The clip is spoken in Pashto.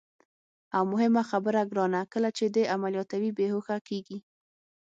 او مهمه خبره ګرانه، کله چې دې عملیاتوي، بېهوښه کېږي.